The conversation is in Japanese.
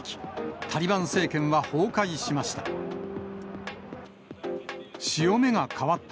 タリバン政権は崩壊しました。